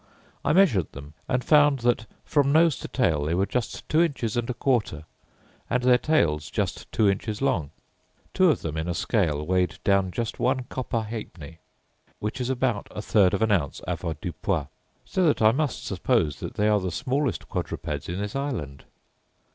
I measured them; and found that, from nose to tail, they were just two inches and a quarter, and their tails just two inches long. Two of them in a scale, weighed down just one copper halfpenny, which is about a third of an ounce avoirdupois: so that I suppose they are the smallest quadrupeds in this island.